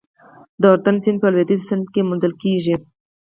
د اردون سیند په لوېدیځه څنډه کې وموندل شول.